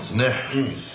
うん。